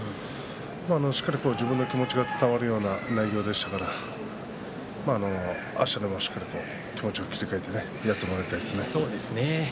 しっかりと自分の気持ちが伝わるような内容でしたからあしたから気持ちを切り替えてやってもらいたいですね。